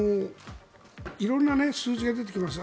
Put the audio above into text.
色んな数字が出てきます。